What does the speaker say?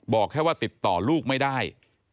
บอกแค่ว่าติดต่อลูกไม่ได้